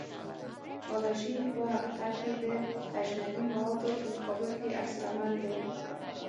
الرژي په حقیقت کې د اجنبي موادو په مقابل کې عکس العمل دی.